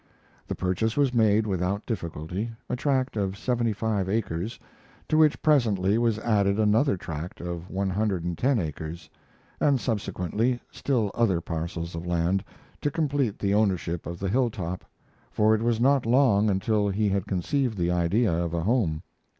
The purchase was made without difficulty a tract of seventy five acres, to which presently was added another tract of one hundred and ten acres, and subsequently still other parcels of land, to complete the ownership of the hilltop, for it was not long until he had conceived the idea of a home.